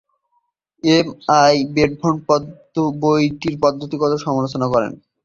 M. I. Belonov বইটির পদ্ধতিগত সমালোচনা করেন।